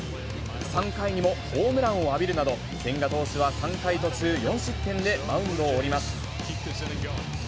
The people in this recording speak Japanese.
３回にもホームランを浴びるなど、千賀投手は３回途中４失点でマウンドを降ります。